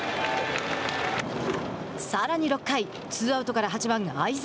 さらに６回ツーアウトから８番會澤。